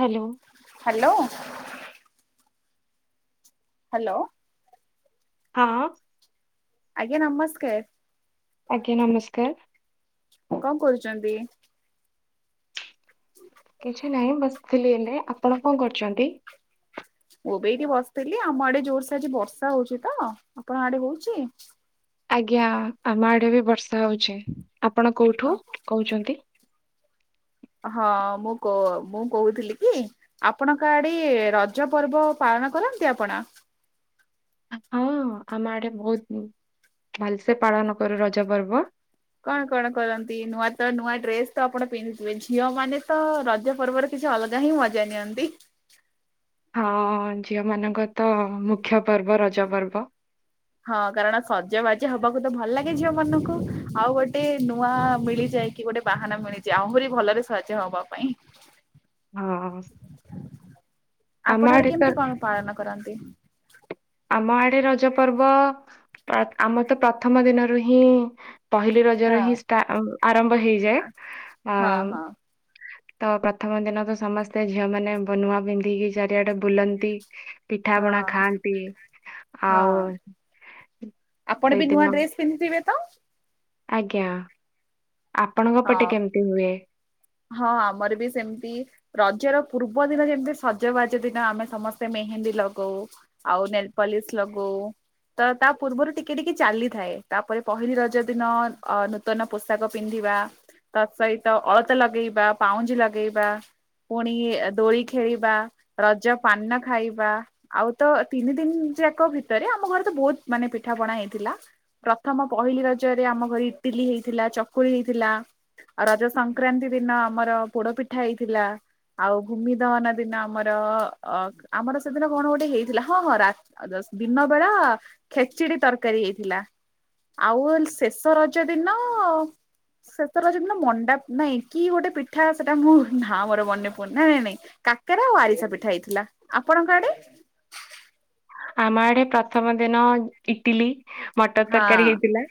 Hello. Hello. Hello. ହଁ। ଆଜ୍ଞା ନମସ୍କାର୍। ଆଜ୍ଞା ନମସ୍କାର୍। କଣ କରୁଚନ୍ତି? କିଛି ନାହିଁ ବସିଥିଲି ଏଇନେ, ଆପଣ କଣ କରୁଚନ୍ତି? ମୁଁ ବି ଏଇଠି ବସିଥିଲି ଆମ ଆଡେ ଜୋର୍ସେ ଆଜି ବର୍ଷା ହଉଛି ତ, ଆପଣ ଆଡେ ହଉଛି? ଆଜ୍ଞା ଆମ ଆଡେ ବି ବର୍ଷା ହଉଛି, ଆପଣ କୋଉଠୁ କହୁଚନ୍ତି? ହଁ ମୁଁ-କ-ମୁଁ କହୁଥିଲି କି ଆପଣଙ୍କ ଆଡେ ରଜ ପର୍ବ ପାଳନ କରନ୍ତି ଆପଣ? ହଁ ଆମ ଆଡେ ବହୁତ ଭଲ୍ ସେ ପାଳନ କରୁ ରଜପର୍ବ। କଣ-କଣ କରନ୍ତି ନୂଆ ତ ନୂଆ ଡ୍ରେସ୍ ତ ଆପଣ ପିନ୍ଧିଥିବେ, ଝିଅ ମାନେ ତ ରଜ ପର୍ବରେ କିଛି ଅଲଗା ହିଁ ମଜ଼ା ନିଅନ୍ତି। ହଁ ଝିଅ ମାନଙ୍କର ତ ମୁଖ୍ୟ ପର୍ବ ରଜପର୍ବ। ହଁ କାରଣ ସଜବାଜ ହବାକୁ ତ ଭଲ୍ ଲାଗେ ଝିଅ ମାନଙ୍କୁ, ଆଉ ଗୋଟେ ନୂଆ ମିଳିଯାଏ କି ଗୋଟେ ବାହାନା ମିଳିଛି, ଆହୁରି ଭଲରେ ସଜ ହବା ପାଇଁ। ହଁ ଆମ ଆପଣ ଆଡେ ତ କେମ୍ତି କଣ ପାଳନ କରନ୍ତି? ଆମ ଆଡେ ରଜ ପର୍ବ ଆମର ତ ପ୍ରଥମ ଦିନରୁ ହିଁ ପହିଲି ରଜରେ ହଁ ହିଁ ଷ୍ଟା ଆରମ୍ଭ ହେଇଯାଏ, ହଁ ଉଁ ହଁ ତ ପ୍ରଥମ ଦିନ ତ ସମସ୍ତେ ଝିଅମାନେ ବ ନୁଆ ପିନ୍ଧିକି ଚାରିଆଡେ ବୁଲନ୍ତି। ପିଠା ପଣା ହଁ ଖାଆନ୍ତି। ହଁ ଆଉ ଆପଣ ବି ସେଇଦିନ ନୂଆ ଡ୍ରେସ୍ ପିନ୍ଧିଥିବେ ତ? ଆଜ୍ଞା ଆପଣଙ୍କ ହଁ ପଟେ କେମ୍ତି ହୁଏ? ହଁ ଆମର ବି ସେମ୍ତି ରଜର ପୂର୍ବ ଦିନ ଯେମ୍ତି ସଜବାଜ ଦିନ ଆମେ ସମସ୍ତେ ମେହେନ୍ଦୀ ଲଗଉ। ଆଉ ନେଲପଲିସ୍ ଲଗଉ। ତ ତା ପୂର୍ବରୁ ଟିକେ-ଟିକେ ଚାଲିଥାଏ, ତାପରେ ପହିଲି ରଜ ଦିନ ଅ ନୂତନ ପୋଷାକ ପିନ୍ଧିବା ତା ସହିତ ଅଳତା ଲଗେଇବା, ପାଉଁଜି ଲଗେଇବା। ପୁଣି ଦୋଳି ଖେଳିବା, ରଜ ପାନ ଖାଇବା। ଆଉ ତ ତିନି ଦିନ୍ ଯାକ ଭିତରେ ଆମ ଘରେ ତ ବହୁତ୍ ମାନେ ପିଠାପଣା ହେଇଥିଲା। ପ୍ରଥମ ପହିଲି ରଜରେ ଆମ ଘରେ ଇଟିଲି ହେଇଥିଲା, ଚକୁଳି ହେଇଥିଲା, ଆଉ ରଜ ସ ସଂକ୍ରାନ୍ତି ଦିନ ଆମର ପୋଡ ପିଠା ହେଇଥିଲା। ଆଉ ଭୂମି ଦହନ ଦିନ ଆମର ଅ ଆମର ସେଦିନ କଣ ଗୋଟେ ହେଇଥିଲା, ହଁ-ହଁ ରା ଆଉ ଦଶ୍ ଦିନ ବେଳା ଖେଚିଡି ତରକାରୀ ହେଇଥିଲା। ଆଉ ହେଲ୍ ଶେଷ ରଜ ଦିନ, ଶେଷ ରଜ ଦିନ ମଣ୍ଡା ନାଇଁ କି ଗୋଟେ ପିଠା ସେଟା ମୋର୍ ନାଁ ମୋର ମନେ ପଡୁନି, ନାଇଁ-ନାଇଁ-ନାଇଁ। କାକେରା ଆଉ ଆରିସା ପିଠା ହେଇଥିଲା, ଆପଣଙ୍କ ଆଡେ? ଆମ ଆଡେ ପ୍ରଥମ ଦିନ ଇଟିଲି ମଟର ହଁ ତରକାରୀ ହେଇଥିଲା,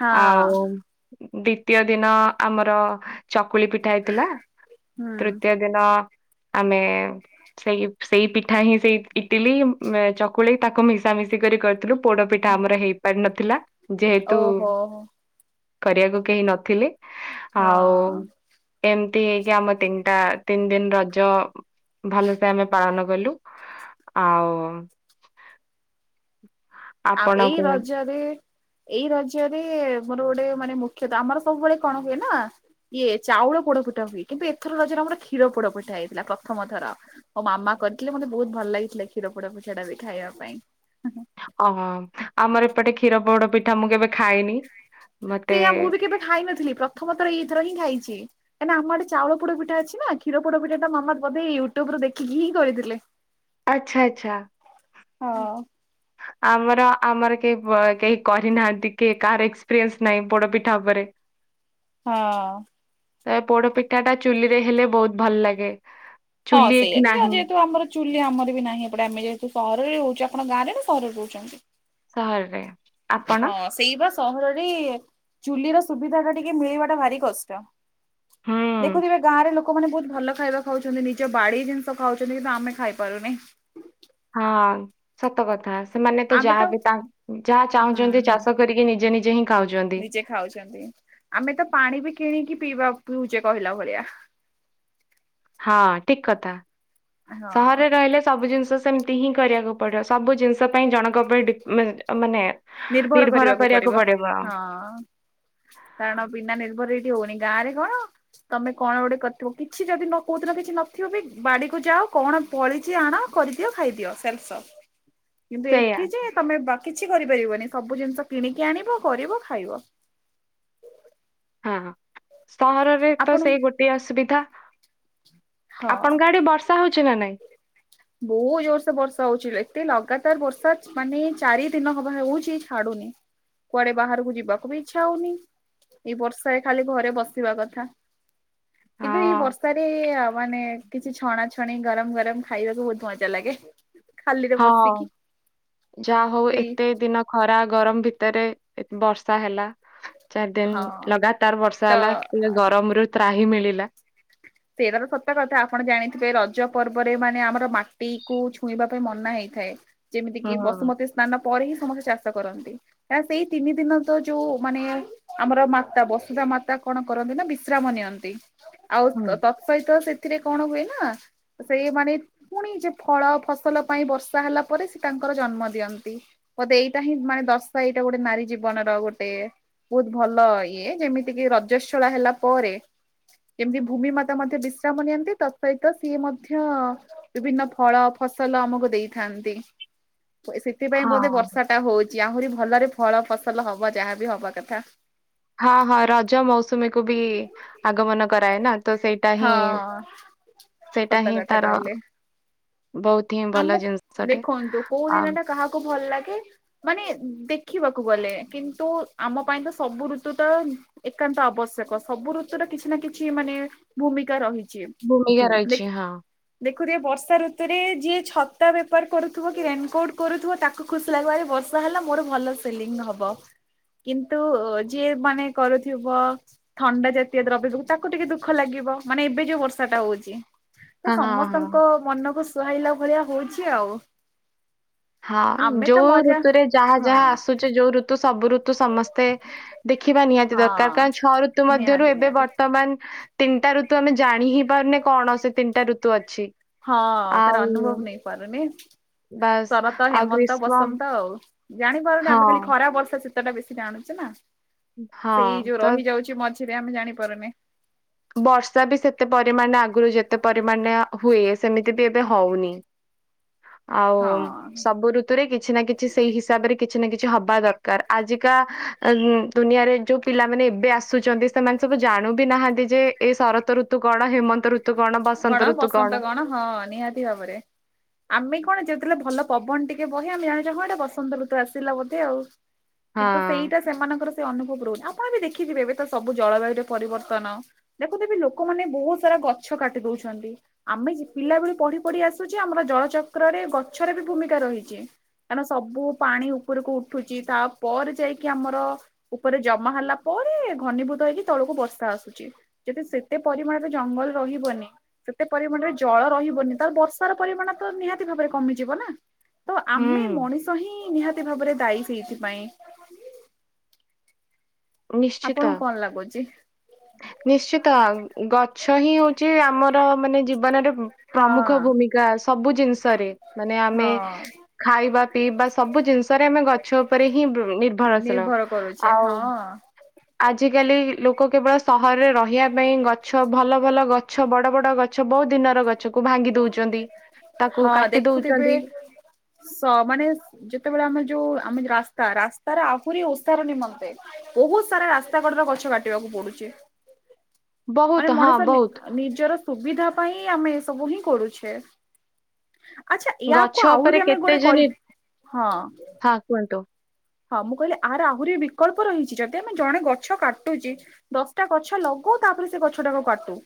ହଁ ଆଉ ଦ୍ଵିତୀୟ ଦିନ ଆମର ଚକୁଳି ପିଠା ହେଇଥିଲା, ହୁଁ ତୃତୀୟ ଦିନ ଆମେ ସେଇ-ସେଇ ପିଠା ହିଁ ସେଇ ଇଟିଲି ମ୍ ଚକ୍ କୁଳି ତାକୁ ମିଶାମିଶି କରି କରିଥିଲୁ। ପୋଡ ପିଠା ଆମର ହେଇପାରି ନଥିଲା, ଯେହେତୁ ଓହୋ କରିଆକୁ କେହି ନଥିଲେ, ଆଉ ହଁ। ଏମ୍ତି ହେଇକି ଆମ ତିନିଟା ତିନି ଦିନ ରଜ ଭଲ ସେ ଆମେ ପାଳନ କଲୁ, ଆଉ ଆଉ ଆପଣ ଏଇ କୁହନ୍ତୁ ରଜରେ ଏଇ ରଜରେ ମୋର ଗୋଟେ ମାନେ ମୁଖ୍ୟତ ଆମର ସବୁବେଳେ କଣ ହୁଏ ନା। ଇଏ ଚାଉଳ ପୋଡପିଠା ହୁଏ କିନ୍ତୁ ଏଥର ନଜରେ ଆମର କ୍ଷୀର ପୋଡପିଠା ହେଇଥିଲା ପ୍ରଥମ ଥର। ମୋ ମାମା କରିଥିଲେ, ମୋତେ ବହୁତ ଭଲ ଲାଗିଥିଲା କ୍ଷୀର ପୋଡା ଟା ଖାଇବା ପାଇଁ। ଓହୋ ଆମର ଏପଟେ କ୍ଷୀର ପୋଡ ପିଠା ମୁଁ କେବେ ଖାଇନି। ତ ମତେ ଏୟା ମୁଁ ବି କେବେ ଖାଇ ନଥିଲି ପ୍ରଥମଥର ଏଇଥର ହିଁ ଖାଇଛି। କାରଣ ଆମ ଆଡେ ଚାଉଳ ପୋଡୋ ପିଠା ଅଛି ନା କ୍ଷୀର ପୋଡୋ ପିଠା ମାମା ବଧେ ୟୁଟ୍ୟୁବ୍ ରୁ ଦେଖିକି ହିଁ କରିଥିଲେ। ଆଚ୍ଛା ଆଚ୍ଛା। ହଁ ଆମର ଆମର କେହି କେହି କରିନାହାନ୍ତି କେହି କାହାର ଏକ୍ସ୍ ପିରିଏନ୍ସ ନାହିଁ, ପୋଡ ପିଠା ଉପରେ। ହଁ। ଏ ପୋଡପିଠା ଟା ଚୁଲିରେ ହେଲେ ବହୁତ୍ ଭଲ ଲାଗେ। ହଁ ଚୁଲି ସେଇଆ, ଏଠି କିନ୍ତୁ ନାହିଁ ଯେହେତୁ ଆମର ଚୁଲି ଆମର ବି ନାହିଁ ଏପଟେ, ଆମେ ଯେହେତୁ ସହରରେ ରହୁଚୁ ଆପଣ ଗାଁରେ ନା ସହରରେ ରହୁଛନ୍ତି? ସହରରେ। ଆପଣ ହଁ ସେଇ ବା ସହରରେ ଚୁଲିର ସୁବିଧା ଟା ଟିକେ ମିଳିବା ଟା ଭାରି କଷ୍ଟ। ହୁଁ ଦେଖୁଥିବେ ଗାଁରେ ଲୋକ୍ ଲୋକମାନେ ବହୁତ ଭଲ ଖାଇବା ଖାଉଛନ୍ତି, ନିଜ ବାଡି ଜିନିଷ ଖାଉଛନ୍ତି, କିନ୍ତୁ ଆମେ ଖାଇ ପାରୁନେ? ହଁ ସତ କଥା। ସେମାନେ ତ ଯାହା ବି ତାଙ୍କେ ଯାହା ହୁଁ ଚାହୁଁଛନ୍ତି ହୁଁ ଚାଷ କରିକି ନିଜେ ନିଜେ ହିଁ ଖାଉଛନ୍ତି। ନିଜେ ଖାଉଛନ୍ତି। ଆମେ ତ ପାଣି ବି କିଣିକି ପିଇବା ପିଉଚେ କହିଲା ଭଳିଆ। ହଁ ଠିକ କଥା। ହଁ ସହରରେ ରହିଲେ ସବୁ ଜିନିଷ ସେମିତି ହିଁ କରିବାକୁ ପଡ଼ିବ। ସବୁ ଜିନିଷ ପାଇଁ ଜଣଙ୍କ ଉପରେ ଡିପ୍ ମେଜ୍- ମାନେ ନିର୍ଭର କରିବାକୁ ପଡିବ ହଁ। କାରଣ ବିନା ନିର୍ଭର୍ ରେ ଏଠି ହଉନି ଗାଁ ରେ କଣ? ତମେ କଣ ଗୋଟେ କରିଥିବ, କିଛି ଯଦି ନ କୋଉ କିଛି ନଥିବ ବି ବାଡିକୁ ଯାଅ କଣ ଫଳିଚି ଆଣ କରିଦିଅ ଖାଇଦିଅ ସେଲ୍ ସପ୍। କିନ୍ତୁ ସେଇଆ ଏଠି ଯେ ତମେ ବାକ୍ କିଛି କରି ପାରିବନି, ସବୁ ଜିନିଷ କିଣିକି ଆଣିବ କରିବ ଖାଇବ। ହଁ ସହରରେ ତ ଆପଣ ସେଇ ଗୋଟିଏ ଅସୁବିଧା। ହଁ। ଆପଣଙ୍କ ଆଡେ ବର୍ଷା ହଉଚି ନା ନାଇଁ? ବହୁ ଜୋର୍ ସେ ବର୍ଷା ହଉଚି, ଏତେ ଲଗାତାର ବର୍ଷା ମାନେ ଚାରି ଦିନ ହବ ହେଉଛି। ଛାଡୁନି, କୁଆଡେ ବାହାରକୁ ଯିବାକୁ ବି ଇଚ୍ଛା ହଉନି। ଏଇ ବର୍ଷାରେ ଖାଲି ଘରେ ବସିବା କଥା। କିନ୍ତୁ ଏଇ ହଁ ବର୍ଷାରେ ମାନେ କିଛି ଛଣା ଛଣି ଗରମ୍ ଗରମ୍ ଖାଇବାକୁ ବହୁତ ମଜା ଲାଗେ। ଖାଲିରେ ହଁ। ବସିକି ଯାହା ହଉ ସେଇ ଏତେ ଦିନ ଖରା ଗରମ ଭିତରେ ଏତ୍ ବର୍ଷା ହେଲା। ଚାର୍ ଦିନ୍ ହଁ ଲଗାତାର ବର୍ଷା ହେଲା। ତ ଟିକେ ଗରମ ରୁ ତ୍ରାହି ମିଳିଲା। ସେଇଟା ତ ସତ କଥା ଆପଣ ଜାଣିଥିବେ ରଜ ପର୍ବରେ ମାନେ ଆମର ମାଟି କୁ ଛୁଇଁବା ପାଇଁ ମନା ହେଇଥାଏ ଯେମିତି ହୁଁ କିି ବସୁମତୀ ସ୍ନାନ ପରେ ହିଁ ସମସ୍ତେ ଚାଷ କରନ୍ତି। ନା ସେଇ ତିନି ଦିନ ତ ଯୋଉ ମାନେ ଆମର ମାତା ବସୁଧା ମାତା କଣ କରନ୍ତି ନା ବିଶ୍ରାମ ନିଅନ୍ତି ଆଉ ହୁଁ। ଅ ସେତ ସେଥିରେ କଣ ହୁଏ ନା? ସେ ମାନେ ପୁଣି ଯେ ଫଳ ଫସଲ ପାଇଁ ବର୍ଷା ହେଲା ପରେ ସେ ତାଙ୍କର ଜନ୍ମ ଦିଅନ୍ତି। ମୋତେ ଏଇଟା ହିଁ ମାନେ ଦର୍ଶା ଏଇଟା ଗୋଟେ ନାରୀ ଜୀବନର ଗୋଟେ ବହୁତ ଭଲ ଇଏ ଯେମିତି କି ରଜସ୍ଳା ହେଲା ପରେ ଯେମିତି ଭୂମି ମ ତା ମଧ୍ୟ ବିଶ୍ରାମ ନିଅନ୍ତି ତା ସହିତ ସିଏ ମଧ୍ୟ ବିଭିନ୍ନ ଫଳ ଫସଲ ଆମକୁ ଦେଇଥାନ୍ତି ସେ ସେଥିପାଇଁ ବୋଧେ ହଁ ବର୍ଷା ଟା ହଉଛି ଆହୁରି ଭଲରେ ଫଳ ଫସଲ ହବ ଯାହାବି ହବ କଥା। ହଁ ହଁ ରଜ ମୌସୁମୀକୁୁ ବି ଆଗମନ କରାଏ ନା ତ ସେଇଟା ହିଁ ହଁ ସେଇଟା ସତ ହିଁ କଥା ତାର କହିଲେ ବହୁତି ହିଁ ଆମ ଭଲ ଜିନିଷଟେ ଦେଖନ୍ତୁ କୋଉ ଦିନ ଆଉ। ଟା କାହାକୁ ଭଲ ଲାଗେ। ମାନେ ଦେଖିବାକୁ ଗଲେ କିନ୍ତୁ ଆମ ପାଇଁ ତ ସବୁ ଋତୁ ତ ଏକାନ୍ତ ଆବଶ୍ୟକ ସବୁ ଋତୁରେ କିଛି ନା କିଛି ମାନେ ଭୂମିକା ରହିଛି ଭୂମିକା ଦେ ରହିଛି ହଁ। ଦେଖୁଥିବେ ବର୍ଷା ଋତୁରେ ଯିଏ ଛତା ବେପାର କରୁଥିବ କି ରେନକୋଟ କରୁଥିବ ତା ଖୁସି ଲାଗିବ ଆଜି ବର୍ଷା ହେଲା ମୋର ଭଲ ସେଲିଂ ହବ। କିନ୍ତୁ ଯିଏ ମାନେ କରୁଥିବ ଥଣ୍ଡା ଜାତୀୟ ଦ୍ରବ୍ୟ ଯୋଗୁ ତା [unintelligible] ଟିକେ ଦୁଃଖ ଲାଗିବ ମାନେ ଏବେ ଯୋଉ ବର୍ଷା ଟା ହଉଛି ହଁ ତ ହଁ ହଁ ସମସ୍ତଙ୍କ ମନକୁ ସୁହାଇଲା ଭଳିଆ ହଉଛି ଆଉ। ହଁ ଆମେ ତ ଯୋଉ ମଜା ଋତୁରେ ଯାହା ହଁ ଯାହା ଆସୁଛି ଯୋଉ ଋତୁ ସବୁ ଋତୁ ସମସ୍ତେ ଦେଖିବା ନିହାତି ଦରକାର ହଁ କାରଣ ଛଅ ଋତୁ ମଧ୍ୟରୁ ନିହାତି ଏବେ ନିହାତି ବର୍ତ୍ତମାନ ତିନିଟା ଋତୁ ଆମେ ଜାଣି ହିଁ ପାରୁନେ କଣ ସେ ତିନିଟା ଋତୁ ଅଛି ହଁ ତାର ଆଉ [unintelligible] ବାସ୍ ଶରତ, ଆଉ ହେମନ୍ତ, ଗ୍ରୀଷ୍ମ ବସନ୍ତ ଆଉ। ଜାଣିପାରୁନେ ହଁ ଆମେ ଖାଲି ଖରା, ବର୍ଷା, ଶୀତ ଟା ବେଶୀ ଜାଣୁଛେ ନା ହଁ ସେଇ ଯୋଉ ତ ରହିଯାଉଛି ମଝି ସେ ଆମେ ଜାଣିପାରୁନେ। ବର୍ଷା ବି ସେତେ ପରିମାଣ ଆଗରୁ ଯେତେ ପରିମାଣ ‌ରେ ହୁଏ ସେମିତି ବି ଏବେ ହଉନି ଆଉ ହଁ ସବୁ ଋ ଋତୁ ରେ କିଛି ନା କିଛି ସେଇ ହିସାବରେ କିଛି ନା କିଛି ହବା ଦରକାର ଆଜିକା ଦୁନିଆରେ ଯୋଉ ପିଲାମାନେ ଏବେ ଆସୁଛନ୍ତି ସେମାନେ ସବୁ ଜାଣୁ ବି ନାହାନ୍ତି ଯେ ଏ ଶରତ ଋତୁ କଣ ହେମନ୍ତ ଋତୁ କଣ ବସନ୍ତ ଋତୁ କଣ? ହଁ ନିହାତି ଭାବରେ। ଆମେ କଣ ଯେତେବେଳେ ଭଲ ପବନ ଟିକେ ବହେ ଆମେ ଜାଣିଛେ ହଁ ଏଇଟା ବସନ୍ତ ଋତୁ ଆସିଲା ବୋଧେ ଆଉ। ହଁ କିନ୍ତୁ ସେଇଟା ସେମାନଙ୍କର ସେ ଅନୁଭବ ରହୁନି ଆପଣ ବି ଦେଖିଥିବେ ଏବେ ତ ସବୁ ଜଳବାୟୁ ରେ ପରିବର୍ତ୍ତନ ଦେଖୁଥିବେ ଲୋକମାନେ ବହୁତ୍ ସାରା ଗଛ କାଟି ଦଉଛନ୍ତି। ଆମେ ପିଲା ବେଳୁ ପଢ଼ି ପଢ଼ି ଆସୁଛେ ଆମର ଜଳଚକ୍ରରେ ଗଛରେ ବି ଭୂମିକା ରହିଛି। କାଇଁ ନା ସବୁ ପାଣି ଉପରକୁ ଉଠୁଛି ତାପରେ ଯାଇକି ଆମର ଉପରେ ଜମା ହେଲା ପରେ ଘନୀଭୂତ ହେଇକି ତଳକୁ ବର୍ଷା ଆସୁଛି। ଯଦି ସେତେ ପରିମାଣରେ ଜଙ୍ଗଲ ରହିବନି। ସେତେ ପରିମାଣରେ ଜଳ ରହିବନି ତାହେଲେ ବର୍ଷାର ପରିମାଣ ତ ନିହାତି ଭାବରେ କମିଯିବ ନା। ତ ହୁଁ ଆମେ ମଣିଷ ହିଁ ନିହାତି ଭାବରେ ଦାୟୀ ସେଇଥିପାଇଁ। ନିଶ୍ଚିତ। ଆପଣଙ୍କୁ କଣ ଲାଗୁଛି? ନିଶ୍ଚିତ ଗଛ ହିଁ ହଉଛି ଆମର ମାନେ ଜୀବନରେ ପ୍ରମୁଖ ହଁ ଭୂମିକା ସବୁ ଜିନିଷରେ ମାନେ ଆମେ ହଁ ଖାଇବା, ପିଇବା ସବୁ ଜିନିଷରେ ଆମେ ଗଛ ଉପରେ ହିଁ ନିର୍ଭରଶୀଳ। ନିର୍ଭର କରୁଛେ ଆଉ ହଁ। ଆଜିକାଲି ଲୋକ କେବଳ ସହରରେ ରହିବା ପାଇଁ ଗଛ ଭଲ ଭଲ ଗଛ ବଡ଼ ବଡ଼ ଗ ଗଛ ବହୁତ୍ ଦିନର ଗଛକୁ ଭାଙ୍ଗି ଦଉଚନ୍ତି ତାକୁ ହଁ କାଟି ଦେଖୁଥିବେ ଦଉଚନ୍ତି। ସ ମାନେ ଯେତେବେଳେ ଆମେ ଯୋଉ ଆମ ରାସ୍ତା ରାସ୍ତାରେ ଆହୁରି ଓସାର ନିମନ୍ତେ ବହୁତ୍ ସାରା ରାସ୍ତା କଡ଼ରେ ଗଛ କାଟିବାକୁ ପଡ଼ୁଛି। ବହୁତ ମାନେ ହଁ ମଣିଷ ବହୁତ ନିଜର ସୁବିଧା ପାଇଁ ଆମେ ଏ ସବୁ ହିଁ କରୁଛେ। ଆଚ୍ଛା ଗଛ ଇଆକୁ ଉପରେ ଆହୁରି ଆମେ କେତେ ଗୋଟେ ଯେ ନି କହି ହଁ। ହଁ କୁହନ୍ତୁ। ହଁ ମୁଁ କହିଲି ଆର ଆହୁରି ବିକଳ୍ପ ରହିଚି ଯଦି ଆମେ ଜଣେ ଗଛ କାଟୁଚି ଦଶଟା ଗଛ ଲଗାଉ ତାପରେ ସେ ଗଛ ଟାକୁ କାଟୁ।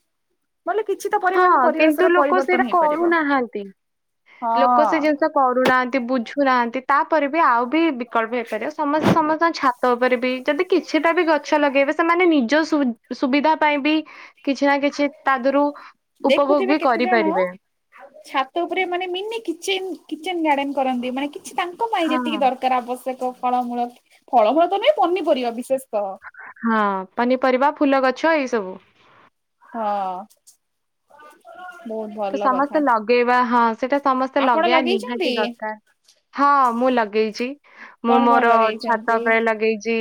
ନହେଲେ କିଛି ତ ହଁ ପରିମାଣ କିନ୍ତୁ ପରିବେଶର ଲୋକ ସେଇଟା ପରିବର୍ତ୍ତନ ହେଇପାରିବ କରୁନାହାନ୍ତି। ଲୋକ ସେ ହଁ। ଜିନିଷ କରୁନାହାନ୍ତି ବୁଝୁନାହାନ୍ତି ତାପରେ ବି ଆଉ ବି ବିକଳ୍ପ ହେଇପାରିବ ସମସ୍ତେ ସମସ୍ତଙ୍କ ଛାତ ଉପରେ ବି ଯଦି କିଛିଟା ବି ଗଛ ଲଗାଇବେ ସେମାନେ ନିଜ ସୁ ସୁବିଧା ପାଇଁ ବି କିଛି ନା କିଛି ତାଧିରୁ ଦେଖୁଥିବେ କେତେଜଣ ଛାତ ଉପରେ ମାନେ ମିନି କିଚେନ୍ କିଚେନ୍ ଗାର୍ଡେନ କରନ୍ତି, ମାନେ କିଛି ତାଙ୍କ ପାଇଁ ହଁ ଯେତିକି ଦର୍ କାର ଆବଶ୍ୟକ ଫଳମୂଳ। ଫଳମୂଳ ତ ନାଇଁ ପନିପରିବା ବିଶେଷତଃ। ହଁ, ପନିପରିବା ଫୁଲ ଗଛ ଏଇ ସବୁ। ହଁ। ବହୁତ ତ ଭଲ କଥା। ସମସ୍ତେ ଲଗେଇବା ହଁ ସେଟା ସମସ୍ତେ ଆପଣ ଲଗେଇବା ଲଗେଇଛନ୍ତି ନିହାତି ଦରକାର। ହଁ ମୁଁ ଲଗେଇଚି। ମୁଁ କଣ କଣ ମୋର ଛାତ ଲଗେଇଛନ୍ତି? ଉପରେ ଲଗେଇଚି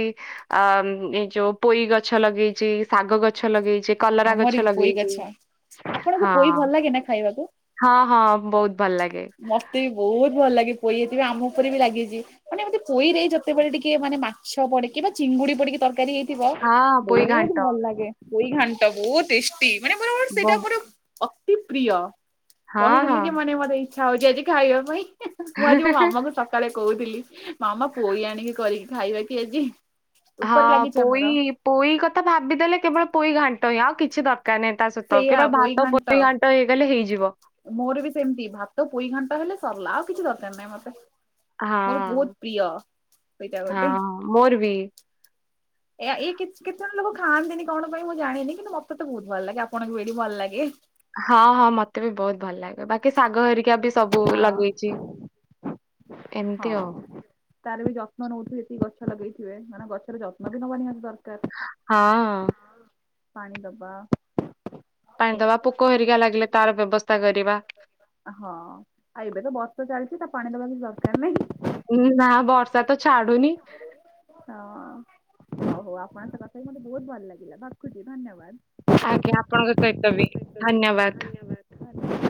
ଆ ଏଇ ଯୋଉ ପୋଇ ଗଛ ଲଗେଇଚି ଶାଗ ଗଛ ଲଗେଇଚି। କଲରା ଆମର ଗଛ ବି ପୋଇ ଲଗେଇଚି ଗଛ। ଆପଣଙ୍କୁ ହଁ। [unintelligible] ଖାଇବାକୁ ହଁ ହଁ ବହୁତ୍ ଭଲ ଲାଗେ। ମତେ ବି ବହୁତ ଭଲ ଲାଗେ ପୋଇ। ହେଇଥିବ ଆମ ଉପରେ ବି ଲାଗିଚି। ମାନେ ମତେ ପୋଇରେ ଯେତେବେଳେ ଟିକେ ମାନେ ମାଛ ପଡିକି ବା ଚିଙ୍ଗୁଡି ପଡିକି ତରକାରୀ ହେଇ ଥିବ, ପୋଇ ବହୁତ ଘାଣ୍ଟ ଭଲ ଲାଗେ। ପୋଇ ଘାଣ୍ଟ ବହୁତ ଟେଷ୍ଟି। ମାନେ ପୁରା ମୋର ସେଇଟା ବ- ପୁରା ଅତି ପ୍ରିୟ। ହଁ କହିଦେଲି ହଁ ଯେ ମାନେ ମତେ ଇଚ୍ଛା ହଉଚି ଆଜି ଖାଇବା ପାଇଁ। ମୁଁ ଆଜି ମୋ ମାମାଙ୍କୁ ସ ସକାଳେ କହୁଥିଲି ମାମା ପୋଇ ଆଣିକି କରିକି ଖାଇବା କି ଆଜି? ଉପରେ ହଁ ଲାଗିଛି ପୋଇ ଆମର ପୋଇ କଥା ଭାବିଦେଲେ କେବଳ ପୋଇ ଘାଣ୍ଟ ହିଁ। ଆଉ କିଛି ଦରକାର ନାଇଁ ତା ସହିତ। ସେଇଆ କେବଳ ଭାତ ଘାଣ୍ଟ ପୋଇ ଘା ଣ୍ଟ ହେଇଗଲେ ହେଇଯିବ। ମୋର ବି ସେମିତି। ଭାତ ପୋଇ ଘାଣ୍ଟ ହେଲେ ସରିଲା ଆଉ କିଛି ଦରକାର ନାଇଁ ମତେ। ମୋର ହଁ ବହୁତ ପ୍ରିୟ ସେଇଟା ଗୋଟେ। ହଁ ମୋର ବି। ଏ ଇଏ କେତେ ଜଣ ଲୋକ ଖାଆନ୍ତିନି କଣ ପାଇଁ ମୁଁ ଜାଣିନି, କିନ୍ତୁ ମତେ ତ ବହୁତ ଭଲ ଲାଗେ ଆପଣଙ୍କୁ ବି ଏଠି ଭଲ ଲାଗେ। ହଁ ହଁ ମତେ ବି ବହୁତ୍ ଭଲ ଲାଗେ। ବାକି ଶାଗ ହେରିକା ବି ସବୁ ଲଗେଇଚି। ଏମିତି ହଁ। ଆଉ। ତାର ବି ଯତ୍ନ ନଉଥିବେ ଯେତିକି ଗଛ ଲଗେଇଥିବେ। ମାନେ ଗଛର ଯତ୍ନ ବି ନବା ନିହାତି ଦରକାର। ହଁ। ହଁ, ପାଣି ଦବା ପାଣି ଦବା ପୋକ ହେରିକା ଲାଗିଲେ ତାର ବ୍ୟବସ୍ଥା କରିବା। ହଁ। ଆଉ ଏବେ ତ ବର୍ଷା ଚାଲିଚି ତା ପାଣି ଦବା କିଛି ଦରକାର ନାହିଁ। ଉଁ ନା ବର୍ଷା ତ ଛାଡୁନି। ହଁ। ହଉ ହଉ ଆପଣଙ୍କ ସହ କଥା ହେଇକି ମତେ ବହୁତ୍ ଭଲ ଲାଗିଲା। ରଖୁଚି ଧନ୍ୟବାଦ। ଆଜ୍ଞା ଆପଣଙ୍କ ଆଜ୍ଞା ସହିତ ବି ଧନ୍ୟବାଦ। [unintelligible]